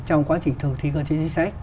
trong quá trình thử thí cơ chính sách